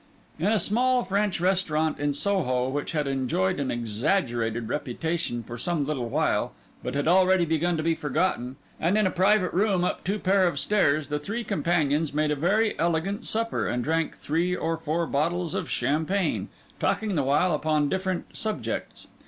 In a small French restaurant in Soho, which had enjoyed an exaggerated reputation for some little while, but had already begun to be forgotten, and in a private room up two pair of stairs, the three companions made a very elegant supper, and drank three or four bottles of champagne, talking the while upon indifferent subjects.